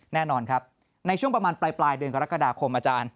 แน่นอนครับในช่วงประมาณปลายเดือนกรกฎาคมอาจารย์